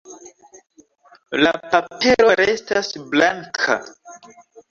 La papero restas blanka.